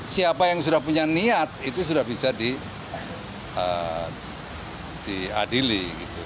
siapa yang sudah punya niat itu sudah bisa diadili